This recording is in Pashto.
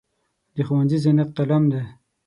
د ښوونځي زینت قلم دی.